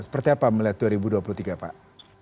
seperti apa melihat dua ribu dua puluh tiga pak